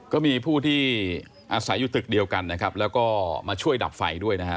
ก็มีผู้ที่อาศัยอยู่ตึกเดียวกันนะครับแล้วก็มาช่วยดับไฟด้วยนะฮะ